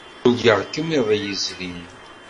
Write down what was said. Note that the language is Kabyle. Urgaɣ-kem iḍ yezrin.